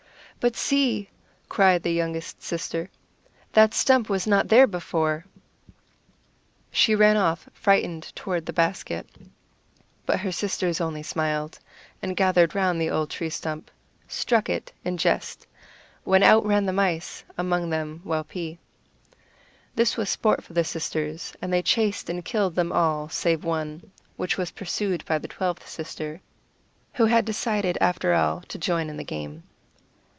"But see," cried the youngest sister, "that stump was not there before." She ran off, frightened, toward the basket. But her sisters only smiled, and gathering round the old tree stump, struck it, in jest, when out ran the mice, and among them Waupee. This was sport for the sisters and they chased and killed them all save one, which was pursued by the twelfth sister, who had decided after all to join in the game.